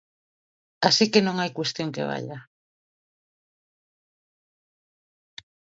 Así que non hai cuestión que valla.